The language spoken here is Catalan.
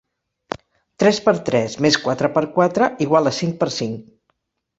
Tres per tres més quatre per quatre igual a cinc per cinc.